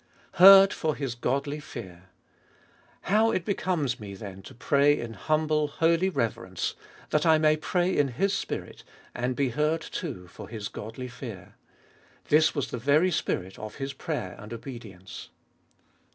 7. Heard for His godly fear. How it becomes me then to pray In humble, holy reverence, that I may pray in His spirit, and be heard too for His godly fear. This was the very spirit of His prayer and obedience.